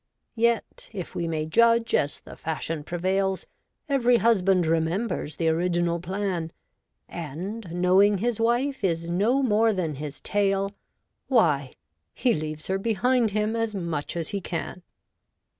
' Yet, if we may judge as the fashion prevails, Ev'ry husband remembers the original plan. And, knowing his wife is no more than his tail. Why, he leaves her behind him as much as he can.'